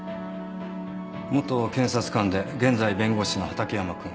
元検察官で現在弁護士の畠山君。